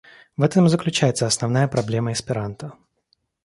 В этом и заключается основная проблема эсперанто.